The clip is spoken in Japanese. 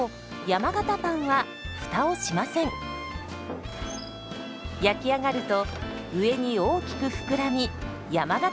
焼き上がると上に大きく膨らみ山型になるんです。